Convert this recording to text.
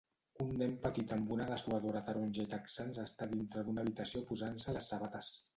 Un nen petit amb una dessuadora taronja y texans està dintre d'una habitació posant-se les sabates.